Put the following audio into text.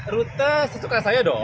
rute sesuka saya dong